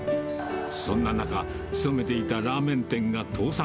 そんな中、勤めていたラーメン店が倒産。